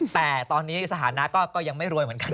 แต่ตอนนี้สถานะก็ยังไม่รวยเหมือนกัน